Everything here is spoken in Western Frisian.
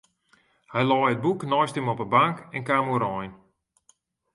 Hy lei it boek neist him op de bank en kaam oerein.